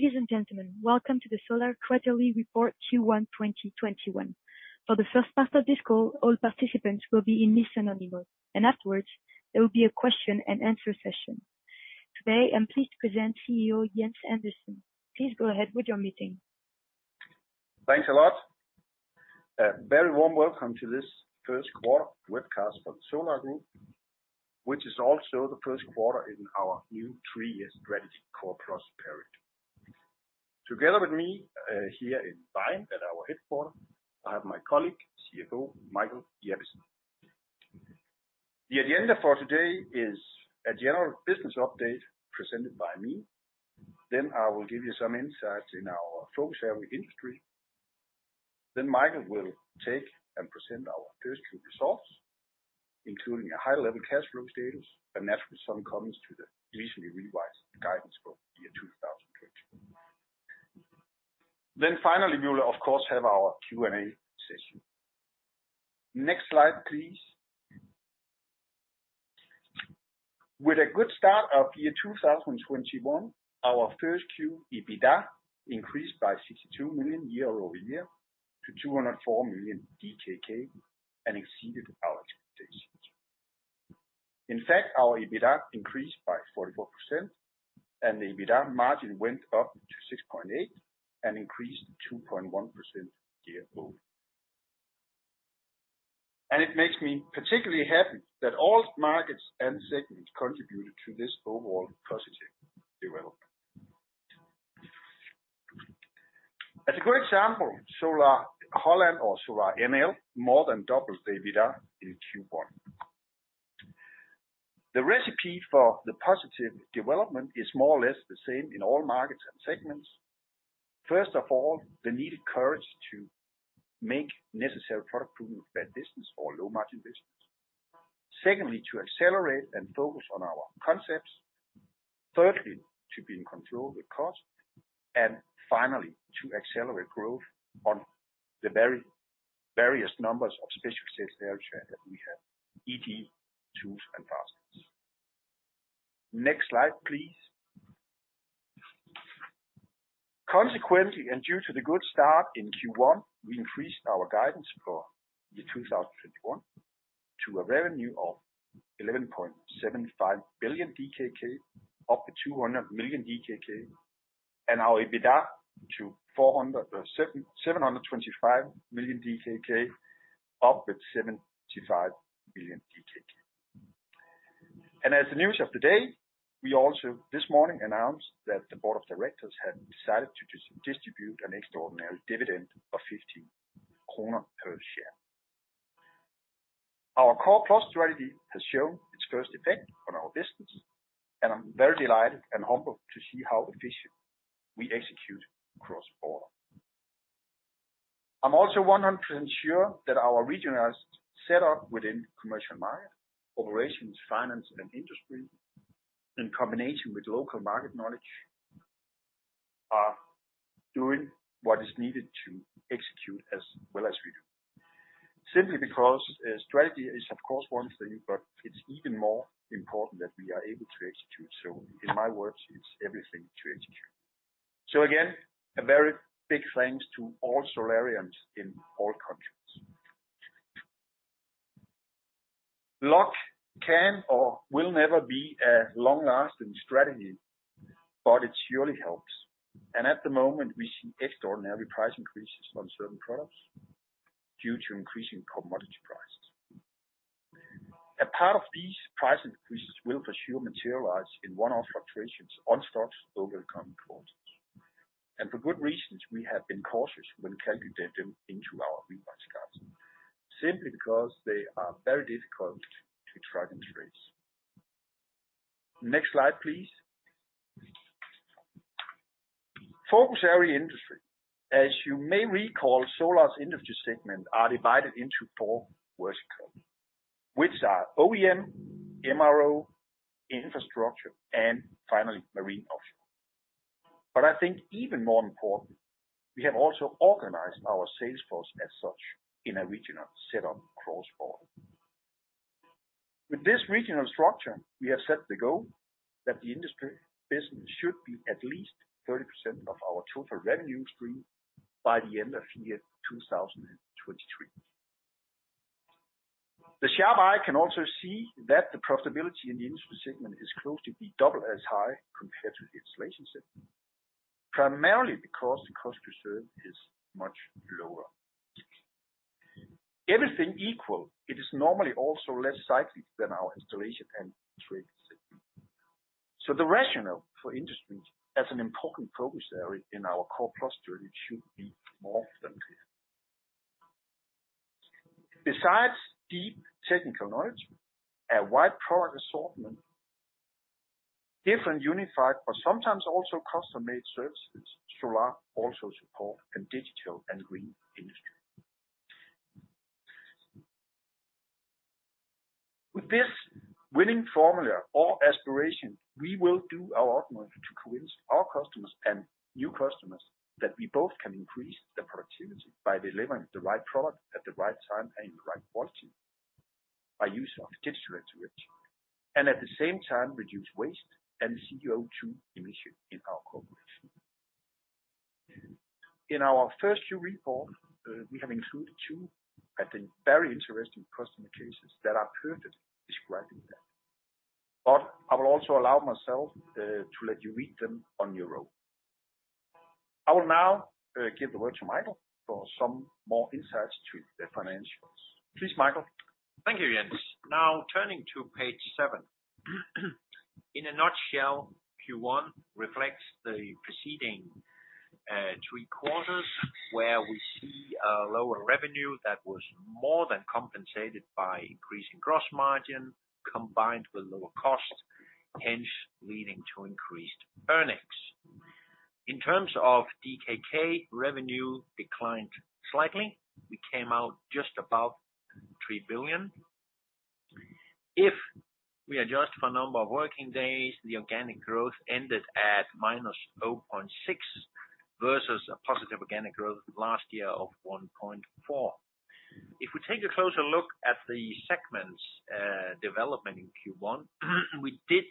Ladies and gentlemen, welcome to the Solar Quarterly Report Q1 2021. For the first part of this call, all participants will be in listen-only mode, and afterwards, there will be a question and answer session. Today, I'm pleased to present CEO Jens Andersen. Please go ahead with your meeting. Thanks a lot. A very warm welcome to this Q1 webcast for the Solar Group, which is also the Q1 in our new three-year strategy, Core Plus period. Together with me here in Vejen at our headquarter, I have my colleague, CFO Michael H. Jeppesen. The agenda for today is a general business update presented by me. I will give you some insights in our focus area industry. Michael will take and present our first two results, including a high-level cash flow status, and naturally, some comments to the recently revised guidance for 2023. Finally, we will, of course, have our Q&A session. Next slide, please. With a good start of 2021, our Q1 EBITDA increased by 62 million year-over-year to 204 million DKK and exceeded our expectations. In fact, our EBITDA increased by 44%, and the EBITDA margin went up to 6.8% and increased 2.1% year-over. It makes me particularly happy that all markets and segments contributed to this overall positive development. As a good example, Solar Holland or Solar NL, more than doubled the EBITDA in Q1. The recipe for the positive development is more or less the same in all markets and segments. First of all, the needed courage to make necessary product pruning of bad business or low-margin business. Secondly, to accelerate and focus on our concepts. Thirdly, to be in control with cost. Finally, to accelerate growth on the various numbers of special sales value chain that we have, e.g., tools and fastbox. Next slide, please. Consequently, due to the good start in Q1, we increased our guidance for the 2021 to a revenue of 11.75 billion DKK, up to 200 million DKK, and our EBITDA to 725 million DKK, up with 75 million DKK. As the news of today, we also this morning announced that the board of directors had decided to distribute an extraordinary dividend of 15 kroner per share. Our Core Plus strategy has shown its first effect on our business, and I'm very delighted and humbled to see how efficient we execute across the board. I'm also 100% sure that our regional set up within commercial market, operations, finance, and industry, in combination with local market knowledge, are doing what is needed to execute as well as we do. Simply because strategy is of course one thing, but it's even more important that we are able to execute. In my words, it's everything to execute. Again, a very big thanks to all Solarians in all countries. Luck can or will never be a long-lasting strategy, but it surely helps. At the moment, we see extraordinary price increases on certain products due to increasing commodity prices. A part of these price increases will for sure materialize in one-off fluctuations on stocks over the coming quarters. For good reasons, we have been cautious when calculating into our revised guidance, simply because they are very difficult to track and trace. Next slide, please. Focus area industry. As you may recall, Solar's industry segment are divided into four verticals, which are OEM, MRO, infrastructure, and finally, Marine & Offshore. I think even more important, we have also organized our sales force as such in a regional set up cross-border. With this regional structure, we have set the goal that the industry business should be at least 30% of our total revenue stream by the end of year 2023. The sharp eye can also see that the profitability in the industry segment is close to be double as high compared to the installation segment, primarily because the cost to serve is much lower. Everything equal, it is normally also less cyclic than our installation and trade segment. The rationale for industry as an important focus area in our Core Plus strategy should be more than clear. Besides deep technical knowledge, a wide product assortment, different unified but sometimes also custom-made services, Solar also support a digital and green industry. With this winning formula or aspiration, we will do our utmost to convince our customers and new customers that we both can increase the productivity by delivering the right product at the right time and in the right quality. By use of digital tools, and at the same time reduce waste and CO2 emission in our corporation. In our first Q report, we have included two, I think, very interesting customer cases that are perfect describing that. I will also allow myself to let you read them on your own. I will now give the word to Michael for some more insights to the financials. Please, Michael. Thank you, Jens. Turning to page seven. In a nutshell, Q1 reflects the preceding Q3, where we see a lower revenue that was more than compensated by increasing gross margin combined with lower cost, hence leading to increased earnings. In terms of DKK, revenue declined slightly. We came out just above 3 billion. If we adjust for number of working days, the organic growth ended at -0.6 versus a positive organic growth last year of 1.4. If we take a closer look at the segments development in Q1, we did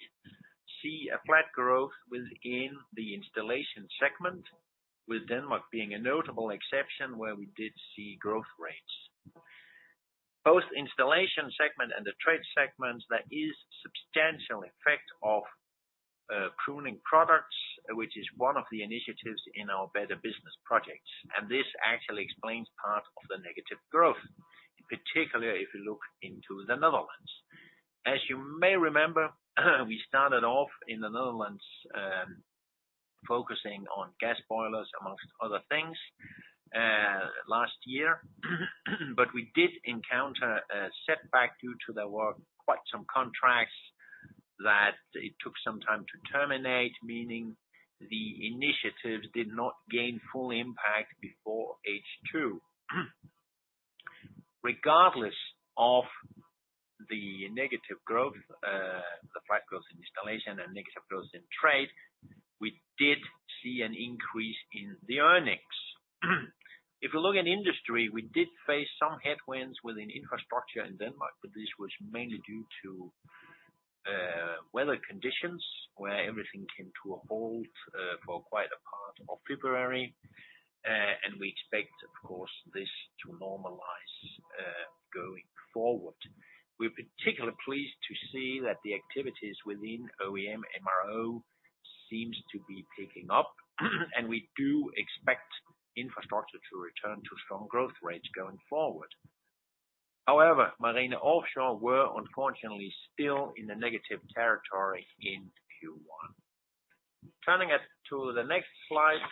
see a flat growth within the installation segment, with Denmark being a notable exception where we did see growth rates. Both installation segment and the trade segments, there is substantial effect of pruning products, which is one of the initiatives in our Better Business projects, and this actually explains part of the negative growth, particularly if you look into the Netherlands. As you may remember, we started off in the Netherlands, focusing on gas boilers, amongst other things, last year. We did encounter a setback due to there were quite some contracts that it took some time to terminate, meaning the initiatives did not gain full impact before H2. Regardless of the negative growth, the flat growth in installation and negative growth in trade, we did see an increase in the earnings. If you look at industry, we did face some headwinds within infrastructure in Denmark, but this was mainly due to weather conditions where everything came to a halt for quite a part of February. We expect, of course, this to normalize going forward. We're particularly pleased to see that the activities within OEM/MRO seems to be picking up, and we do expect infrastructure to return to strong growth rates going forward. Marine & Offshore were unfortunately still in the negative territory in Q1. Turning to the next slide,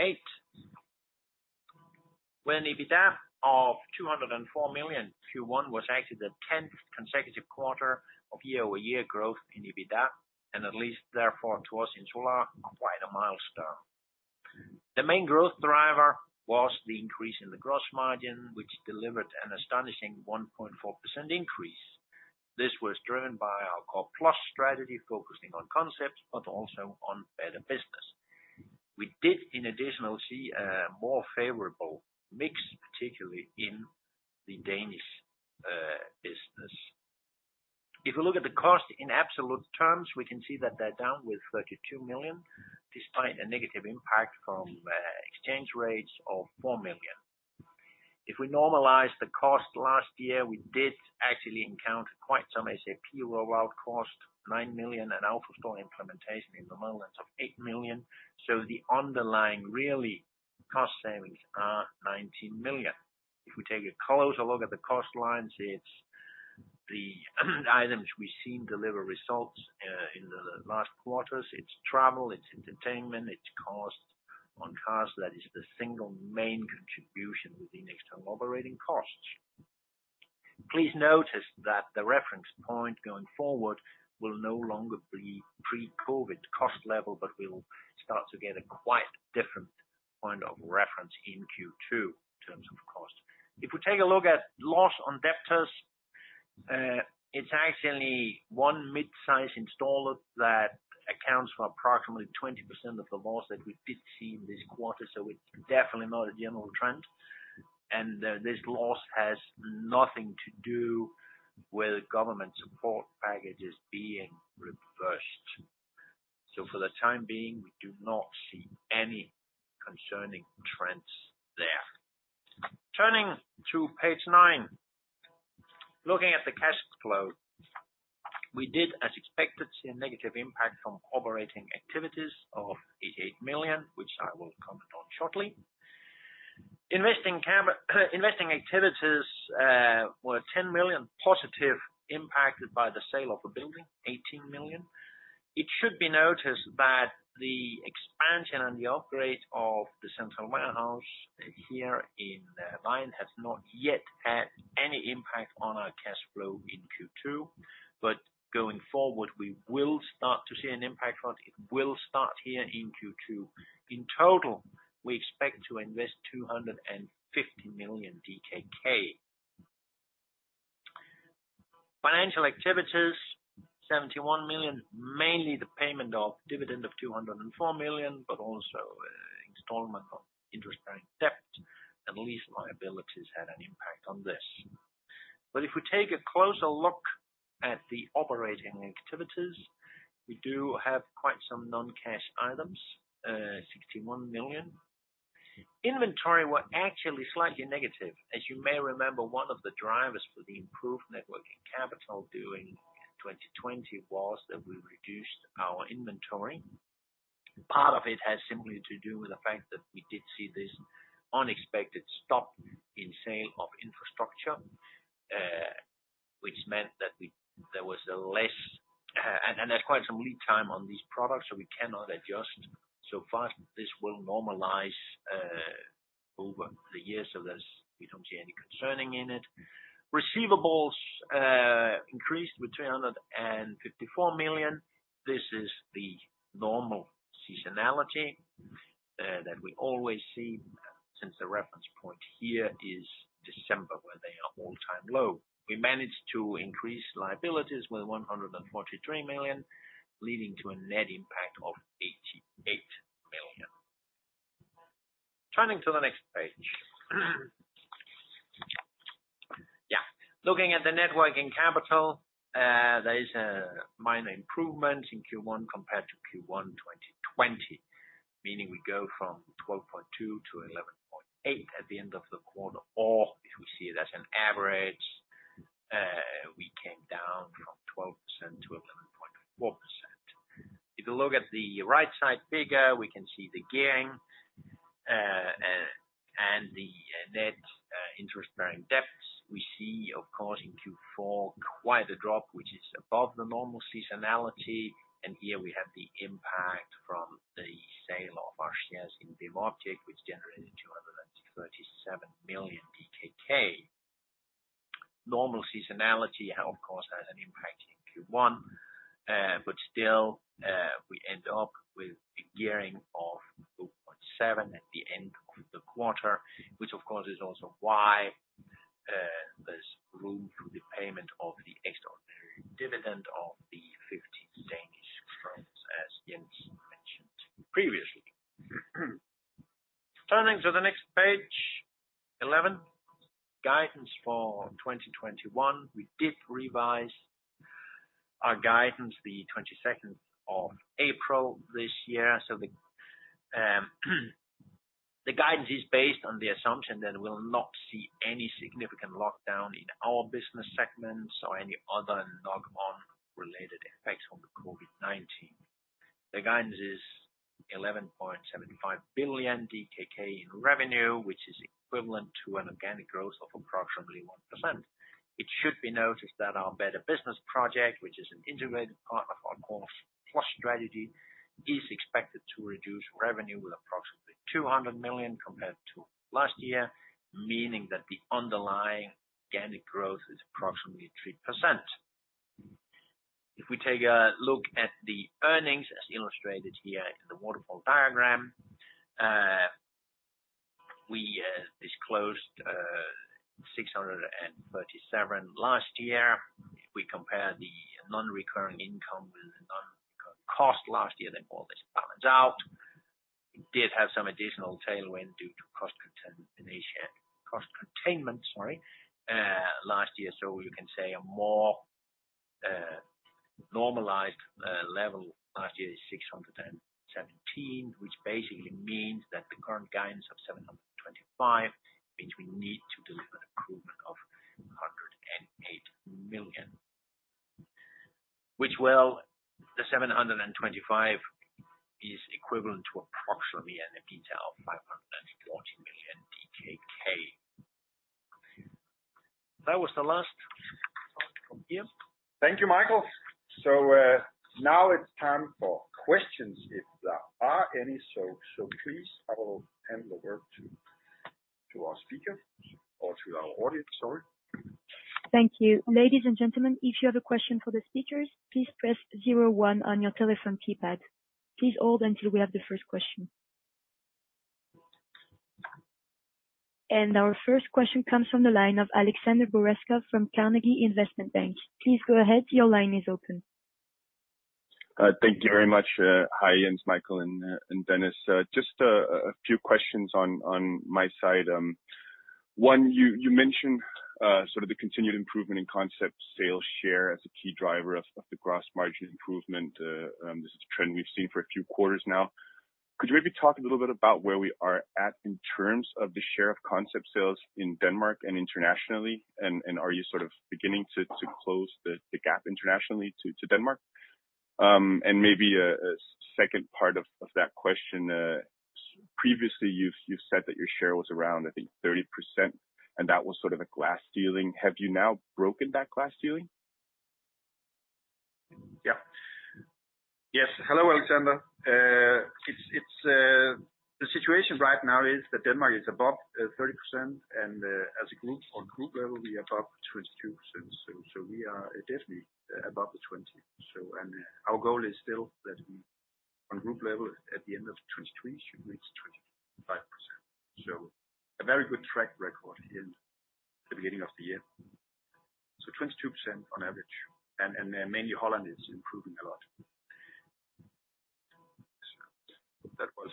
eight. With an EBITDA of 204 million, Q1 was actually the 10th consecutive quarter of year-over-year growth in EBITDA and at least therefore to Solar Group, quite a milestone. The main growth driver was the increase in the gross margin, which delivered an astonishing 1.4% increase. This was driven by our Core+ strategy, focusing on concepts but also on Better Business. We did in addition see a more favorable mix, particularly in the Danish business. If you look at the cost in absolute terms, we can see that they're down with 32 million, despite a negative impact from exchange rates of 4 million. If we normalize the cost last year, we did actually encounter quite some SAP rollout cost, 9 million, and Alpha Store implementation in the Netherlands of 8 million, so the underlying really cost savings are 19 million. If we take a closer look at the cost lines, it's the items we've seen deliver results in the last quarters. It's travel, it's entertainment, it's cost on cars. That is the single main contribution within external operating costs. Please notice that the reference point going forward will no longer be pre-COVID cost level, but we'll start to get a quite different point of reference in Q2 in terms of cost. If we take a look at loss on debtors, it's actually one mid-size installer that accounts for approximately 20% of the loss that we did see in this quarter, so it's definitely not a general trend. This loss has nothing to do with government support packages being reversed. So for the time being, we do not see any concerning trends there. Turning to page nine. Looking at the cash flow, we did as expected, see a negative impact from operating activities of 88 million, which I will comment on shortly. Investing activities were 10 million, positive impacted by the sale of a building, 18 million. It should be noticed that the expansion and the upgrade of the central warehouse here in Vejen has not yet had any impact on our cash flow in Q2. Going forward, we will start to see an impact from it. It will start here in Q2. In total, we expect to invest 250 million DKK. Financial activities, 71 million, mainly the payment of dividend of 204 million, also installment of interest-bearing debt and lease liabilities had an impact on this. If we take a closer look at the operating activities, we do have quite some non-cash items, 61 million. Inventory was actually slightly negative. As you may remember, one of the drivers for the improved net working capital during 2020 was that we reduced our inventory. Part of it has simply to do with the fact that we did see this unexpected stop in sales of infrastructure, which meant that there was a less. There's quite some lead time on these products, we cannot adjust so fast. This will normalize over the year, we don't see any concern in it. Receivables increased with 354 million. This is the normal seasonality that we always see since the reference point here is December, where they are all-time low. We managed to increase liabilities with 143 million, leading to a net impact of 88 million. Turning to the next page. Looking at the net working capital, there is a minor improvement in Q1 compared to Q1 2020, meaning we go from 12.2 - 11.8 at the end of the quarter, or if we see it as an average, we came down from 12% - 11.4%. If you look at the right side bigger, we can see the gearing and the net interest-bearing debts. We see, of course, in Q4, quite a drop, which is above the normal seasonality. Here we have the impact from the sale of our shares in Dematic, which generated 237 million. Normal seasonality, of course, has an impact in Q1. Still, we end up with a gearing of 2.7 at the end of the quarter, which of course, is also why there's room for the payment of the extraordinary dividend of DKK 15, as Jens mentioned previously. Turning to the next page 11. Guidance for 2021. We did revise our guidance the 22nd of April this year. The guidance is based on the assumption that we'll not see any significant lockdown in our business segments or any other knock-on related effects from the COVID-19. The guidance is 11.75 billion DKK in revenue, which is equivalent to an organic growth of approximately one percent. It should be noticed that our Better Business project, which is an integrated part of our Core+ strategy, is expected to reduce revenue with approximately 200 million compared to last year, meaning that the underlying organic growth is approximately three percent. We take a look at the earnings as illustrated here in the waterfall diagram, we disclosed 637 last year. We compare the non-recurring income with the non-recurring cost last year, all this balance out. We did have some additional tailwind due to cost containment, sorry, last year. You can say a more normalized level last year is 617, which basically means that the current guidance of 725 means we need to deliver an improvement of 108 million. Well, the 725 is equivalent to approximately an EBITDA of 540 million DKK. That was the last slide from here. Thank you, Michael. Now it's time for questions, if there are any. Please, I will hand over to our speaker or to our audience. Sorry. Thank you. Ladies and gentlemen, if you have a question for the speakers, please press 0 one on your telephone keypad. Please hold until we have the first question. Our first question comes from the line of Alexander Borreskov from Carnegie Investment Bank. Please go ahead. Your line is open. Thank you very much. Hi, Jens, Michael, and Dennis. Just a few questions on my side. One, you mentioned sort of the continued improvement in concept sales share as a key driver of the gross margin improvement. This is a trend we've seen for a few quarters now. Could you maybe talk a little bit about where we are at in terms of the share of concept sales in Denmark and internationally? Are you sort of beginning to close the gap internationally to Denmark? Maybe a second part of that question. Previously, you've said that your share was around, I think, 30%, and that was sort of a glass ceiling. Have you now broken that glass ceiling? Yes. Hello, Alexander. The situation right now is that Denmark is above 30%, and as a group, on group level, we are above 22%. We are definitely above the 20%. Our goal is still that we, on group level, at the end of 2020 should reach 20%. A very good track record in the beginning of the year. 22% on average, and then mainly Holland is improving a lot.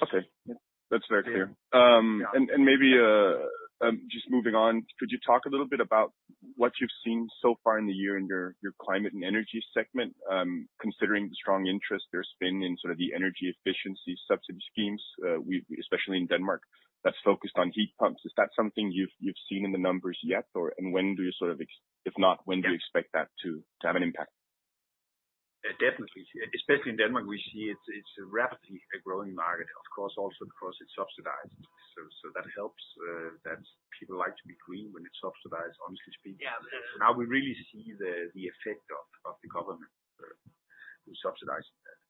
Okay. That's very clear. Yeah. Maybe, just moving on, could you talk a little bit about what you've seen so far in the year in your climate and energy segment, considering the strong interest there's been in sort of the energy efficiency subsidy schemes, especially in Denmark, that's focused on heat pumps. Is that something you've seen in the numbers yet? If not, when do you expect that to have an impact? Definitely. Especially in Denmark, we see it's rapidly a growing market, of course, also because it's subsidized. That helps, that people like to be green when it's subsidized, honestly speaking. Yeah. Now we really see the effect of the government who subsidizes that.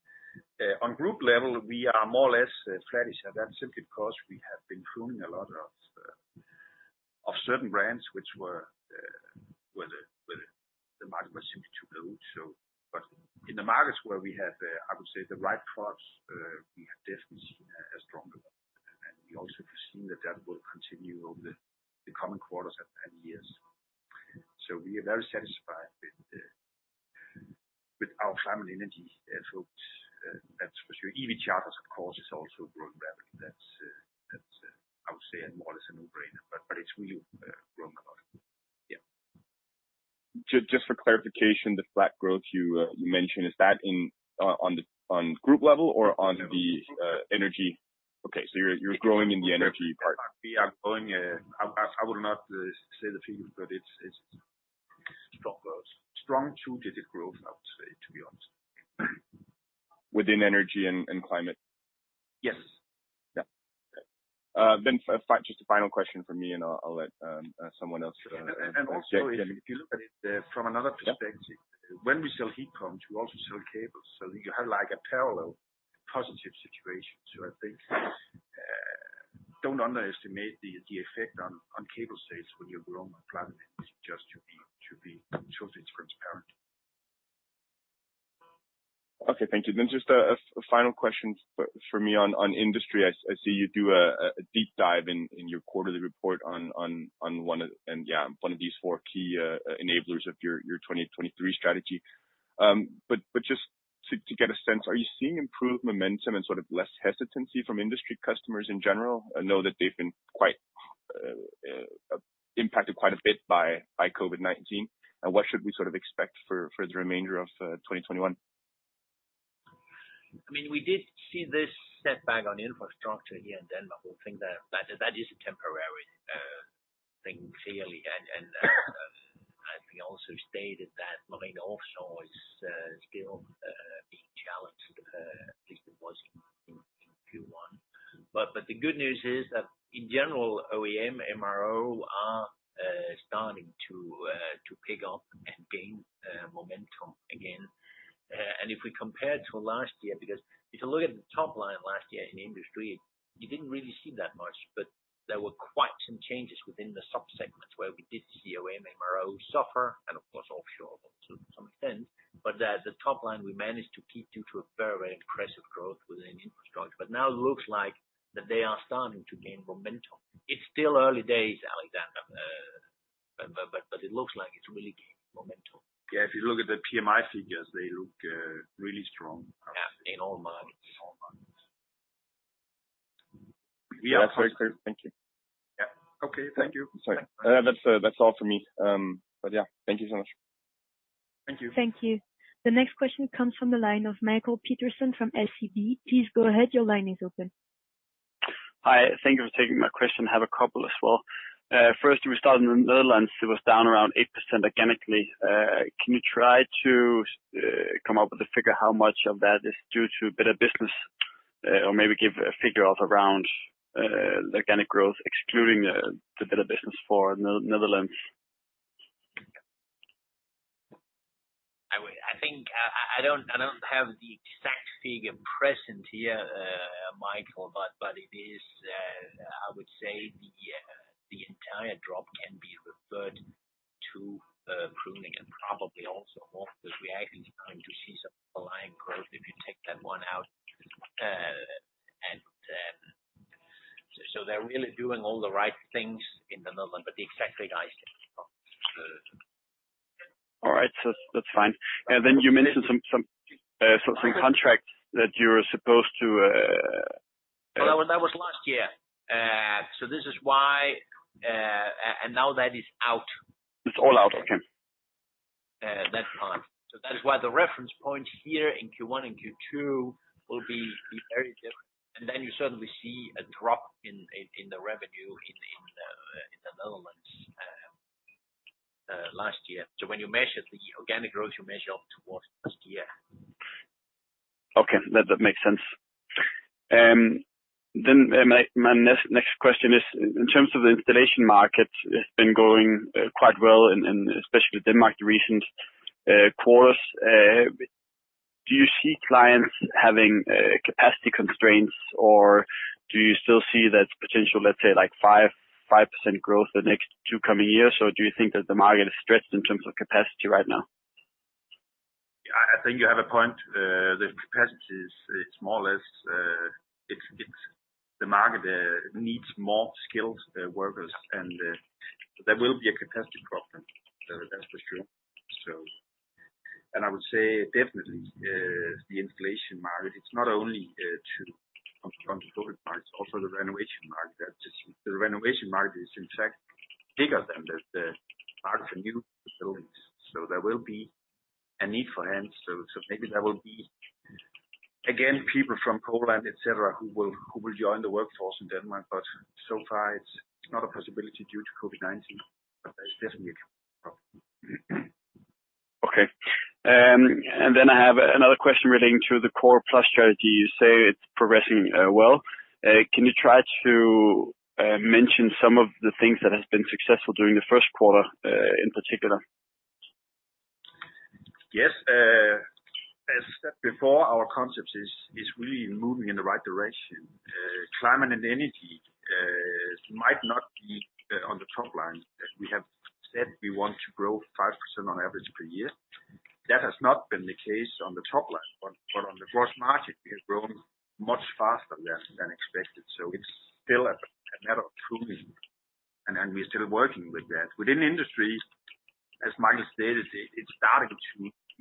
On group level, we are more or less flattish, and that's simply because we have been pruning a lot of certain brands the market was simply too low. In the markets where we have, I would say, the right products, we have definitely seen a strong development, and we also foresee that will continue over the coming quarters and years. We are very satisfied with our climate energy folks. That's for sure. EV chargers, of course, is also growing rapidly. That's, I would say, more or less a no-brainer, but it's really growing a lot. Yeah. Just for clarification, the flat growth you mentioned, is that on group level or on the energy? No. Okay, you're growing in the energy part. We are growing, I will not say the figures, but it's strong growth. Strong two-digit growth, I would say, to be honest. Within energy and climate? Yes. Yeah. Okay. Just a final question from me, and I'll let someone else. Also, if you look at it from another perspective, when we sell heat pumps, we also sell cables. You have a parallel positive situation. I think don't underestimate the effect on cable sales when you grow on climate. It's just to be totally transparent. Okay, thank you. Just a final question for me on industry. I see you do a deep dive in your quarterly report on one of these four key enablers of your 2023 strategy. Just to get a sense, are you seeing improved momentum and sort of less hesitancy from industry customers in general? I know that they've been impacted quite a bit by COVID-19. What should we sort of expect for the remainder of 2021? We did see this setback on infrastructure here in Denmark. We think that is a temporary thing, clearly. As we also stated that Marine & Offshore is still being challenged, at least it was in Q1. The good news is that in general, OEM, MRO are starting to pick up and gain momentum again. If we compare to last year, because if you look at the top line last year in industry, you didn't really see that much, but there were quite some changes within the sub-segments where we did see OEM, MRO suffer, and of course Marine & Offshore also to some extent. The top line we managed to keep due to a very aggressive growth within infrastructure. Now it looks like that they are starting to gain momentum. It's still early days, Alexander Børrild, but it looks like it's really gaining momentum. Yeah, if you look at the PMI figures, they look really strong. Yeah, in all markets. We are- That's very clear. Thank you. Yeah. Okay. Thank you. Sorry. That's all from me. Yeah, thank you so much. Thank you. Thank you. The next question comes from the line of Michael Petersen from SEB. Please go ahead. Your line is open. Hi. Thank you for taking my question. Have a couple as well. We start in the Netherlands. It was down around eight percent organically. Can you try to come up with a figure how much of that is due to Better Business, or maybe give a figure of around organic growth excluding the Better Business for Netherlands? I don't have the exact figure present here, Michael, but I would say the entire drop can be referred to pruning and probably also offshore is reacting in time to see some underlying growth if you take that one out. They're really doing all the right things in the Netherlands, but the exact figure I simply don't have. All right. That's fine. You mentioned some contract. That was last year. Now that is out. It's all out? Okay. That contract. That is why the reference point here in Q1 and Q2 will be very different. Then you suddenly see a drop in the revenue in the Netherlands last year. When you measure the organic growth, you measure towards last year. Okay. That makes sense. My next question is, in terms of the installation market, it's been going quite well in especially Denmark, the recent quarters. Do you see clients having capacity constraints, or do you still see that potential, let's say five percent growth the next two coming years, or do you think that the market is stretched in terms of capacity right now? I think you have a point. The capacity is more or less. The market needs more skilled workers, and there will be a capacity problem. That's for sure. I would say definitely, the installation market, it's not only the COVID market, also the renovation market. The renovation market is in fact bigger than the market for new buildings. There will be a need for hands. Maybe there will be, again, people from Poland, et cetera, who will join the workforce in Denmark. So far, it's not a possibility due to COVID-19, but there's definitely a problem. Okay. I have another question relating to the Core+ strategy. You say it's progressing well. Can you try to mention some of the things that has been successful during the Q1, in particular? Yes. As I said before, our concept is really moving in the right direction. Climate and energy might not be on the top line, as we have said we want to grow five percent on average per year. That has not been the case on the top line. On the gross margin, we have grown much faster than expected. It's still a matter of tuning, and we're still working with that. Within industries, as Michael stated, it's starting to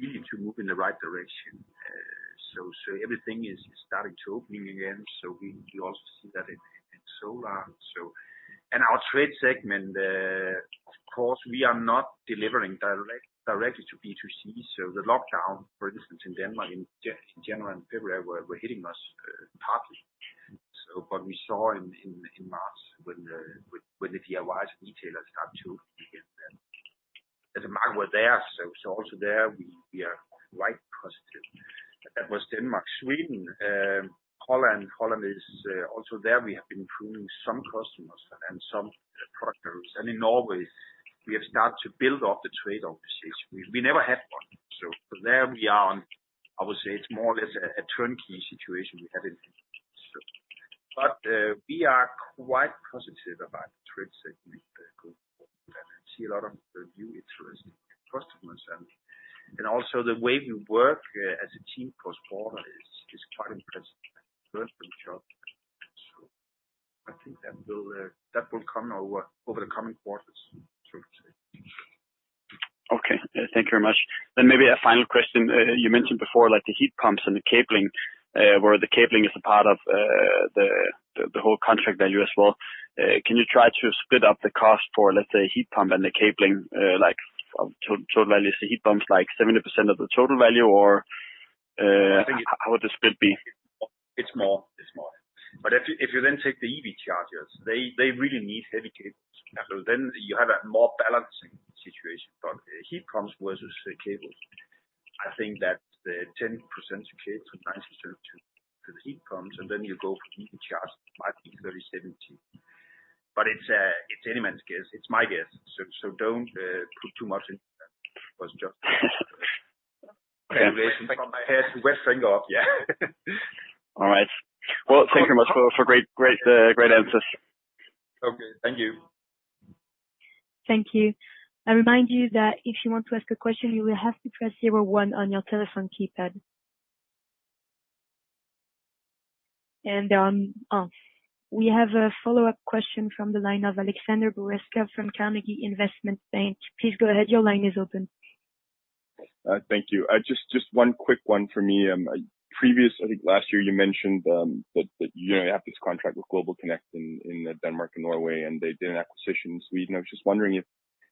really move in the right direction. Everything is starting to opening again. We also see that in Solar. Our trade segment, of course, we are not delivering directly to B2C, so the lockdown, for instance, in Denmark in January and February were hitting us partly. We saw in March when the DIYs retailers start to begin, then the market were there. Also there, we are quite positive. That was Denmark. Sweden, Holland, also there we have been losing some customers and some partners. In Norway, we have started to build up the trade offices. We never had one. There we are on, I would say it's more or less a turnkey situation we have in. We are quite positive about the trade segment going forward and see a lot of new interesting customers. Also the way we work as a team cross-border is quite impressive. I think that will come over the coming quarters. Okay. Thank you very much. Maybe a final question. You mentioned before, like the heat pumps and the cabling, where the cabling is a part of the whole contract value as well. Can you try to split up the cost for, let's say, heat pump and the cabling, like total value, say heat pump is like 70% of the total value or how would the split be? It's more. If you take the EV chargers, they really need heavy cables. You have a more balancing situation. Heat pumps versus the cables, I think that 10% of cables and 90% to the heat pumps, you go for the EV chargers, might be 30/70. It's any man's guess. It's my guess. Don't put too much into that. It was just from my head. All right. Well, thank you very much for great answers. Okay. Thank you. Thank you. I remind you that if you want to ask a question, you will have to press zero one on your telephone keypad. We have a follow-up question from the line of Alexander Borreskov from Carnegie Investment Bank. Please go ahead. Your line is open. Thank you. Just one quick one for me. Previous, I think last year, you mentioned that you have this contract with GlobalConnect in Denmark and Norway, and they did an acquisition in Sweden. I was just wondering if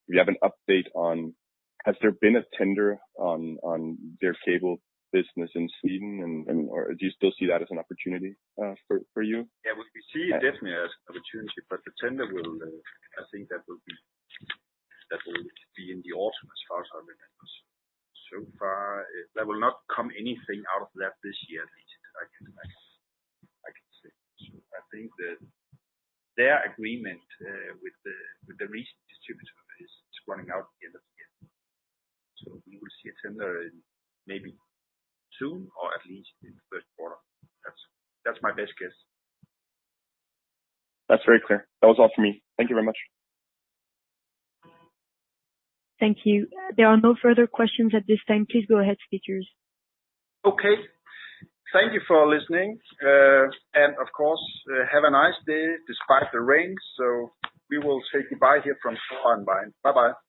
you have an update on, has there been a tender on their cable business in Sweden, or do you still see that as an opportunity for you? Yeah, we see it definitely as opportunity. The tender will, I think that will be in the autumn as far as I remember. Far, there will not come anything out of that this year, at least that I can see. I think that their agreement with the recent distributor is running out at the end of the year. We will see a tender in maybe soon or at least in the Q1. That's my best guess. That's very clear. That was all for me. Thank you very much. Thank you. There are no further questions at this time. Please go ahead, speakers. Okay. Thank you for listening. Of course, have a nice day despite the rain. We will say goodbye here from Solar in Vejen. Bye-bye